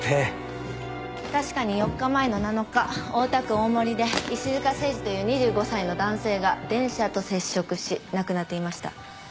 大田区大森で石塚清司という２５歳の男性が電車と接触し亡くなっていました。